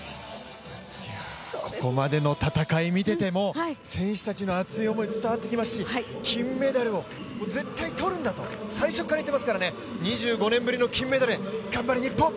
ここまでの戦いを見ていても、選手たちの暑い思いが伝わってきますし金メダルを絶対取るんだと最初から言ってますからね、２５年ぶりの金メダルへ頑張れ日本！